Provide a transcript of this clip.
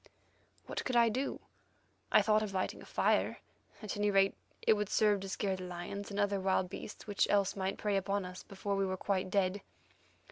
What could I do? I thought of lighting a fire; at any rate it would serve to scare the lions and other wild beasts which else might prey upon us before we were quite dead.